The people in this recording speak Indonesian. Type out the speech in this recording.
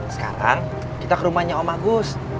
sekarang kita ke rumahnya om agus